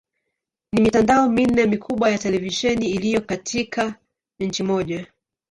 Ni mitandao minne mikubwa ya televisheni iliyo katika nchi moja.